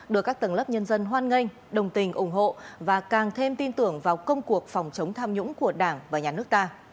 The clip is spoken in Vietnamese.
được các tầng lớp nhân dân hoan nghênh đồng tình ủng hộ và càng thêm tin tưởng vào công cuộc phòng chống tham nhũng của đảng và nhà nước ta